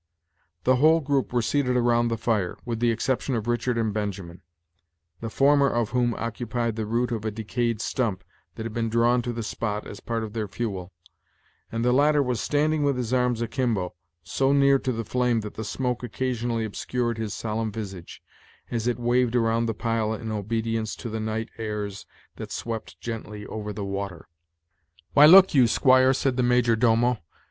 The whole group were seated around the fire, with the exception of Richard and Benjamin; the former of whom occupied the root of a decayed stump, that had been drawn to the spot as part of their fuel, and the latter was standing, with his arms akimbo, so near to the flame that the smoke occasionally obscured his solemn visage, as it waved around the pile in obedience to the night airs that swept gently over the water. "Why, look you, squire, said the major domo.